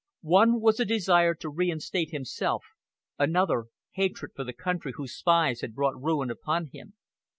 One was a desire to reinstate himself; another, hatred for the country whose spies had brought ruin upon him.